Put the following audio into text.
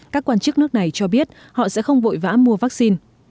các quan chức nước này cho biết họ sẽ không vội vã mua vaccine